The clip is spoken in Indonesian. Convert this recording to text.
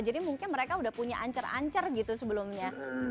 jadi mungkin mereka udah punya ancar ancar gitu sebelumnya